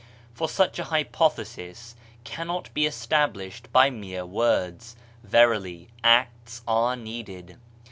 For such a hypothesis cannot be established by mere words; verily acts are needed.